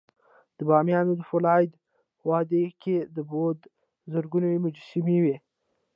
د بامیانو د فولادي وادي کې د بودا زرګونه مجسمې وې